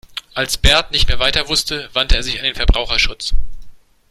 Als Bert nicht mehr weiter wusste, wandte er sich an den Verbraucherschutz.